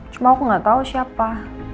cuma aku gak tau siapa